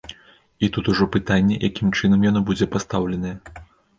І тут ужо пытанне, якім чынам яно будзе пастаўленае.